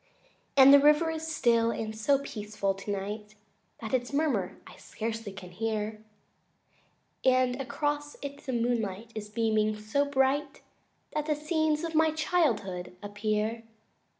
II And the river is still, and so peaceful tonight That its murmur I scarcely can hear, And across it the moonlight is beaming so bright That the scenes of my childhood appear.